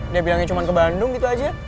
dia bilangnya cuma ke bandung gitu aja